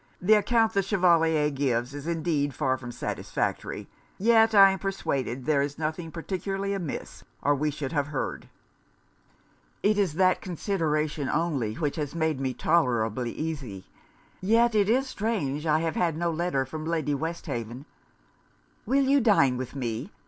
'The account the Chevalier gives is indeed far from satisfactory, yet I am persuaded there is nothing particularly amiss, or we should have heard.' 'It is that consideration only which has made me tolerably easy. Yet it is strange I have no letter from Lady Westhaven. Will you dine with me?'